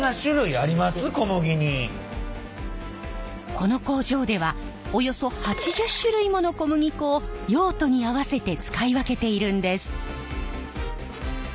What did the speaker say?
この工場ではおよそ８０種類もの小麦粉を用途に合わせて使い分けているんです。